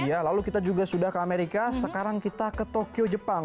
iya lalu kita juga sudah ke amerika sekarang kita ke tokyo jepang